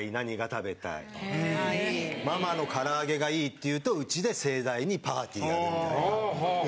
ママのからあげがいいって言うとうちで盛大にパーティーやるみたいな。